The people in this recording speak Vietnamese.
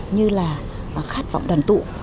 như là khát vọng đoàn tụ